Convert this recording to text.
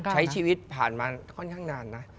ใช้ชีวิตผ่านมาค่อนข้างนานนะ